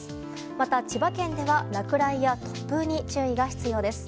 また、千葉県では落雷や突風に注意が必要です。